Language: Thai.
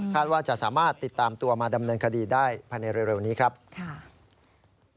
ว่าจะสามารถติดตามตัวมาดำเนินคดีได้ภายในเร็วนี้ครับค่ะ